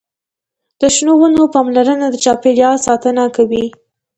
د شنو ونو پاملرنه د چاپیریال ساتنه کوي.